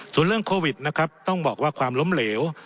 ส่วนเรื่องโควิดนะครับต้องบอกว่าความล้มเหลว